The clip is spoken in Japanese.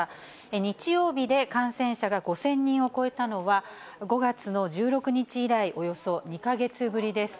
日曜日で感染者が５０００人を超えたのは、５月の１６日以来、およそ２か月ぶりです。